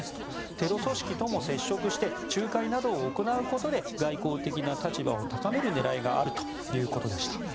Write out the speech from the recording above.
テロ組織とも接触して仲介などを行うことで外交的な立場を高める狙いがあるということでした。